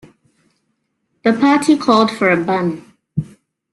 The party called for a ban.